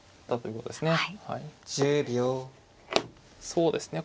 そうですね